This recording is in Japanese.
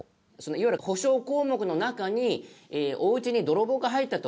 いわゆる補償項目の中にお家に泥棒が入ったと。